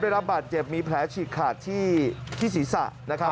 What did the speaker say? ได้รับบาดเจ็บมีแผลฉีกขาดที่ศีรษะนะครับ